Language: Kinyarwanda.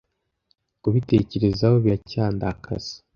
Kubitekerezaho biracyandakaza.